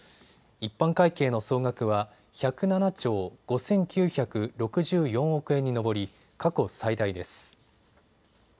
一般会計の総額は１０７兆５９６４億円に上り過去最大です。